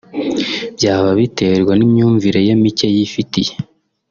byaba biterwa n’imyumvire ye mike yifitiye